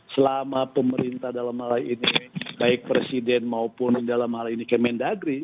selama pemerintah dalam hal ini baik presiden maupun dalam hal ini kemendagri